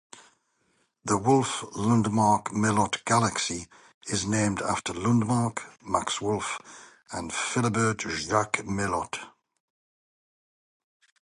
The Wolf-Lundmark-Melotte Galaxy is named after Lundmark, Max Wolf and Philibert Jacques Melotte.